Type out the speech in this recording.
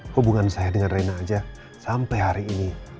hubungan saya dengan rena aja sampai hari ini